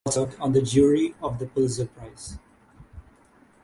Rubin also served on the jury of the Pulitzer Prize.